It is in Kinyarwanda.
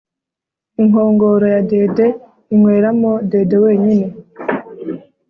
Inkongoro yadede inywera mo dede wenyine.